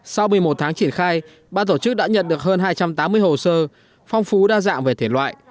sau một mươi một tháng triển khai ban tổ chức đã nhận được hơn hai trăm tám mươi hồ sơ phong phú đa dạng về thể loại